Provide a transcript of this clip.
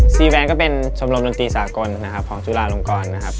ซีแวนก็เป็นชมรมดนตรีสากลนะครับของจุฬาลงกรนะครับ